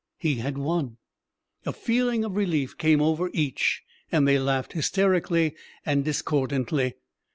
He had won! A feeling of relief came over each, and they laughed hysterically and discordantly.